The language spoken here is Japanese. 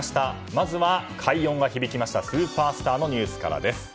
まずは、快音が響きましたスーパースターのニュースからです。